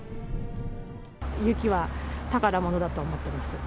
雪は宝物だと思ってます。